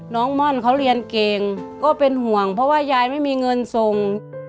ม่อนเขาเรียนเก่งก็เป็นห่วงเพราะว่ายายไม่มีเงินส่ง